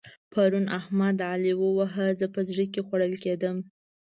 پرون احمد؛ علي وواهه. زه په زړه کې خوړل کېدم.